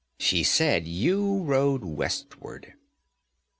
She said you rode westward.'